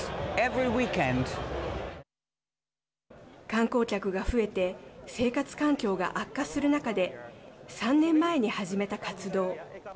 観光客が増えて生活環境が悪化する中で３年前に始めた活動。